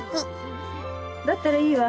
だったらいいわ。